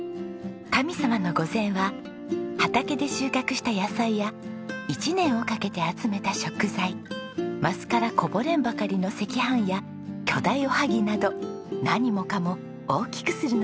神様の御膳は畑で収穫した野菜や１年をかけて集めた食材升からこぼれんばかりの赤飯や巨大おはぎなど何もかも大きくするのがしきたり。